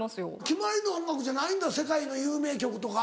決まりの音楽じゃないんだ世界の有名曲とか。